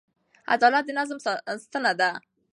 عدالت د نظام ستنه ده.